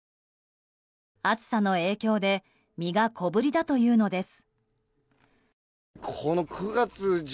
暑さの影響で身が小ぶりだというのです。